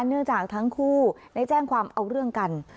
เนื่องจากทั้งคู่ได้แจ้งความเอาเรื่องกัน